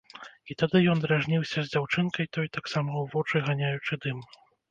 І тады ён дражніўся з дзяўчынкай той, таксама ў вочы ганяючы дым.